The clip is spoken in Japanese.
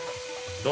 どう？